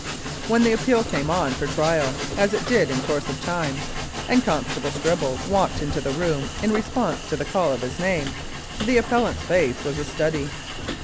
When the appeal came on for trial, as it did in course of time, and Constable Stribble walked into the room in response to the call of his name, the ap pellant's face was a study.